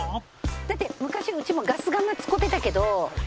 だって昔うちもガス釜使うてたけど。